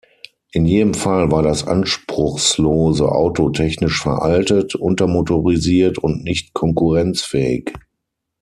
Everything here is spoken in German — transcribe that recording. In jedem Fall war das anspruchslose Auto technisch veraltet, untermotorisiert und nicht konkurrenzfähig.